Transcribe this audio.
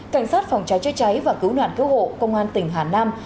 cảnh sát phòng cháy chữa cháy và cứu nạn cứu hộ công an tỉnh hà nam